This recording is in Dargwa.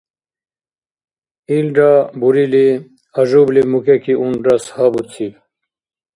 Илра бурили, Ажубли мукеки унрас гьабуциб.